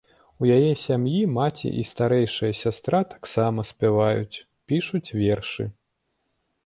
У яе сям'і маці і старэйшая сястра таксама спяваюць, пішуць вершы.